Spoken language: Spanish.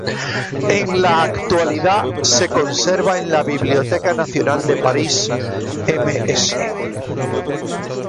En la actualidad se conserva en la Biblioteca Nacional de París, Ms.